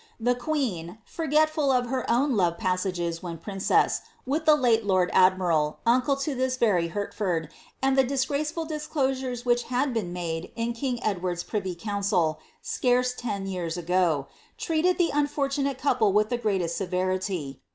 The queen, forgetful of her own love passages, when princess, with the late lord admiral, uncle to this very Hertford, and ihe disgraceful dis closures which had been made in king Edward's privy council, scares ten years ago, treated the unfortunate couple with the greatest severilv.